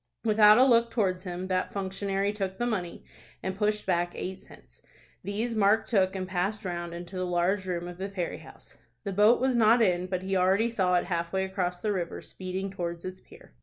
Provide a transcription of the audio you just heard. Without a look towards him, that functionary took the money, and pushed back eight cents. These Mark took, and passed round into the large room of the ferry house. The boat was not in, but he already saw it halfway across the river, speeding towards its pier.